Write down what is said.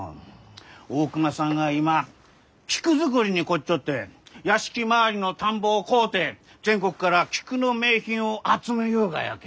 大隈さんが今菊作りに凝っちょって屋敷周りの田んぼを買うて全国から菊の名品を集めゆうがやき。